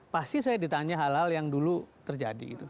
pasti saya ditanya hal hal yang dulu terjadi